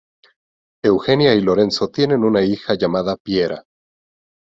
Eugenia y Lorenzo tienen una hija llamada Piera.